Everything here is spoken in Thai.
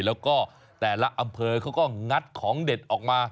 แล้วก็แต่ละอำเภอเขาก็งัดของเด็ดออกมา